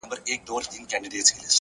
هڅه د ناممکن دیوالونه نړوي.!